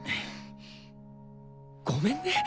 ごめんね。